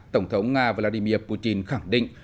tổng thống nga vladimir putin khẳng định